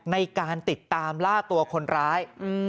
ในการติดตามล่าตัวคนร้าย